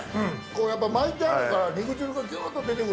やっぱり巻いてあるから、肉汁がぎゅっと出てくる。